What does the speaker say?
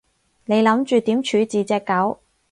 你諗住點處置隻狗？